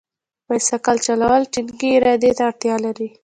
بایسکل چلول ټینګې ارادې ته اړتیا لري.